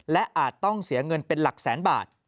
และอาจต้องเสียเงินเป็นหลักแสนบาท